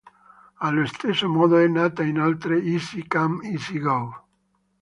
Allo stesso modo è nata inoltre "Easy Come Easy Go".